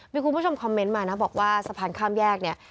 มีคุณผู้ชมคอมเมนต์มานะบอกว่าสะพานข้ามแยกเนี่ย